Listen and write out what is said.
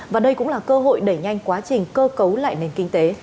và đây cũng là cơ hội đẩy nhanh quá trình cơ cấu lại nền kinh tế